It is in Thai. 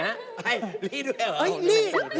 อะไรวิลลี่ด้วยเหรอ